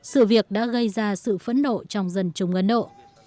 sự việc đã gây ra sự phấn nộ trong dân chung ấn độ